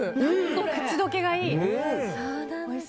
口溶けがいい。